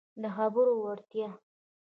د خبرو وړتیا